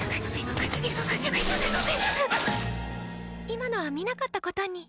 今のは見なかったことに。